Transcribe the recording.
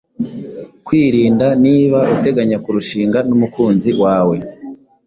kwirinda niba uteganya kurushinga n'umukunzi wawe